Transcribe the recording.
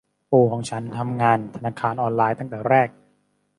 ปู่ของฉันทำงานธนาคารออนไลน์ตั้งแต่แรก